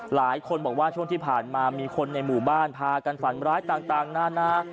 หลายคนบอกว่าช่วงที่ผ่านมามีคนในหมู่บ้านพากันฝันร้ายต่างนานา